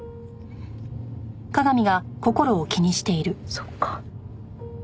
そっか。